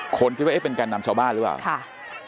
คนคิดว่าเอ๊ะเป็นแก่นนำชาวบ้านหรือเปล่าค่ะ